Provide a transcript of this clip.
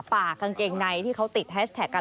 ปากกางเกงในที่เขาติดแฮชแท็กกัน